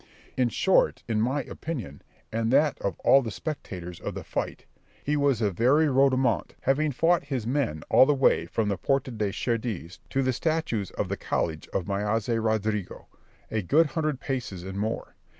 In short, in my opinion and that of all the spectators of the fight, he was a very Rhodomont, having fought his men all the way from the Puerta de Xeres to the statues of the college of Maese Rodrigo, a good hundred paces and more.